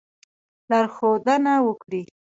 لارښودنه وکړي.